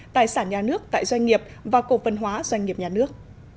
tài sản nhà nước tại doanh nghiệp và cộng văn hóa doanh nghiệp nhà nước